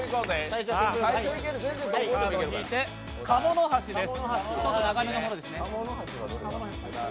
カモノハシです。